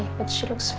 tapi dia kelihatan baik